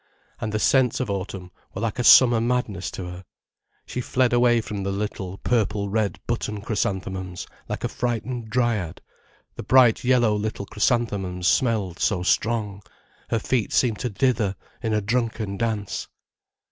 And the scents of autumn were like a summer madness to her. She fled away from the little, purple red button chrysanthemums like a frightened dryad, the bright yellow little chrysanthemums smelled so strong, her feet seemed to dither in a drunken dance.